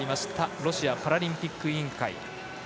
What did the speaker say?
ロシアパラリンピック委員会。